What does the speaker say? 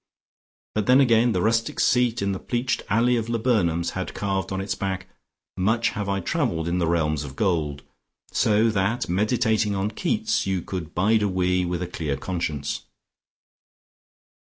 But then again the rustic seat in the pleached alley of laburnums had carved on its back, "Much have I travelled in the realms of gold," so that, meditating on Keats, you could bide a wee with a clear conscience.